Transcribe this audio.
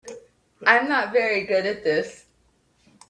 I'm not very good at this.